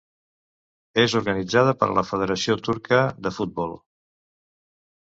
És organitzada per la Federació Turca de Futbol.